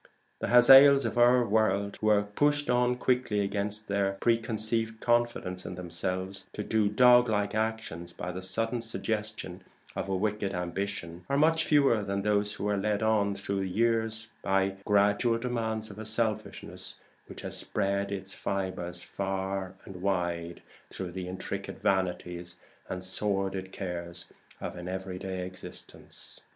The Hazaels of our world who are pushed on quickly against their preconceived confidence in themselves to do doglike actions by the sudden suggestion of a wicked ambition, are much fewer than those who are led on through the years by the gradual demands of a selfishness which has spread its fibres far and wide through the intricate vanities and sordid cares of an everyday existence.